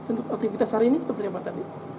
untuk aktivitas hari ini seperti apa tadi